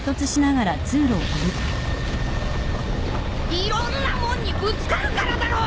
いろんなもんにぶつかるからだろ！